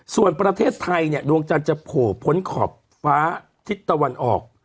ส่วนประเทศไทยเนี่ยดวงจันทร์จะโผล่พ้นขอบฟ้าทิศตะวันออก